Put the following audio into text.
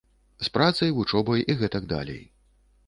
З працай, вучобай і гэтак далей.